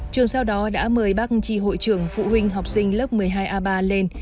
trường sau đó đã mời bác chi hội trưởng phụ huynh học sinh lớp một mươi hai a ba lên